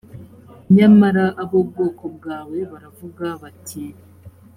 nyamara ab’ubwoko bwawe baravuga bati